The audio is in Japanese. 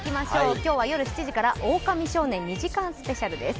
今日は夜７時から「オオカミ少年」２時間スペシャルです。